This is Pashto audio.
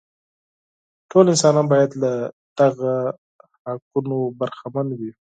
ټول انسانان باید له دغو حقونو برخمن وي.